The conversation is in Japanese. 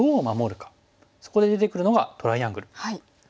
そこで出てくるのがトライアングル。